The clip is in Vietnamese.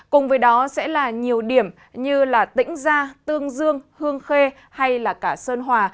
cùng với đó sẽ là nhiều điểm như là tỉnh gia tương dương hương khê hay là cả sơn hòa